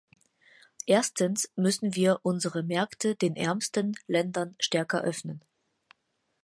Erstens müssen wir unsere Märkte den ärmsten Ländern stärker öffnen.